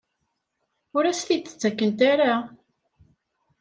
Ur as-t-id-ttakent ara?